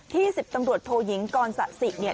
ที่๑๐ตำรวจโทหยิงกรสะศิก